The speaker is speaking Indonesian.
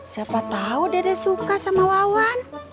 siapa tahu dede suka sama wawan